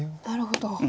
なるほど。